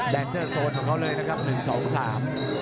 แดนเตอร์โซนของเขาเลยนะครับ๑๒๓